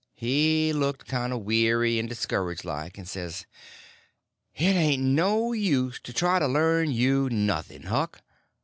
He looked kind of weary and discouraged like, and says: "It ain't no use to try to learn you nothing, Huck.